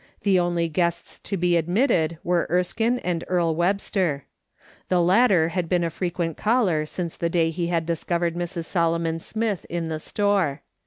The only guests to be admitted were Erskine and Earle Webster. The latter had been a frequent caller since the day he had discovered Mrs. Solomon Smith in the store.